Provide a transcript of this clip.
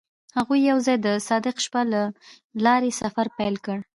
هغوی یوځای د صادق شپه له لارې سفر پیل کړ.